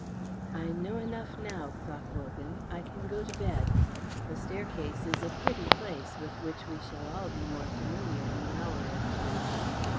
"I know enough now," thought Wogan. "I can go to bed. The staircase is a pretty place with which we shall all be more familiar in an hour or two."